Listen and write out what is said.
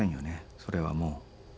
それはもう。